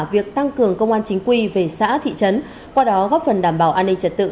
việc tăng cường công an chính quy về xã thị trấn qua đó góp phần đảm bảo an ninh trật tự